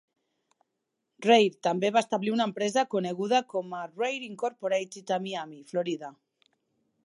Rare també va establir una empresa coneguda com Rare, Incorporated a Miami, Florida.